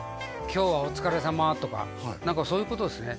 「今日はお疲れさま」とか何かそういうことですね